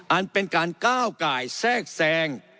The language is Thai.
อันเป็นการก้าวไก่แทรกแทรง